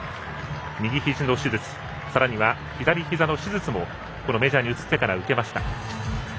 右ひじの手術さらには左ひざの手術もこのメジャーに移ってから受けました。